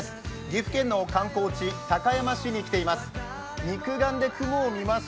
岐阜県の観光地高山市に来ています。